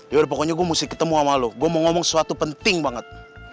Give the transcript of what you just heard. yaudah pokoknya gue mesti ketemu sama lo gue mau ngomong sesuatu penting banget